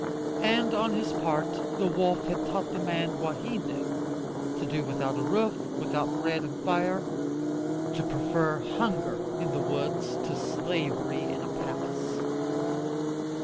and on his part, the wolf had taught the man what he knew to do without a roof, without bread and fire, to prefer hunger in the woods to slavery in a palace.